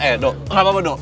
eh doh gapapa doh